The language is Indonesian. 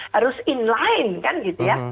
harus inline kan gitu ya